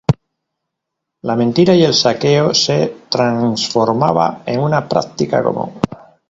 La mentira y el saqueo se transformaba en una práctica común.